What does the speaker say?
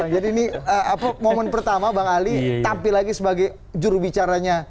jadi ini momen pertama bang ali tapi lagi sebagai jurubicaranya